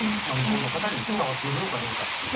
向こうの方に伝わっているのかどうかっていう。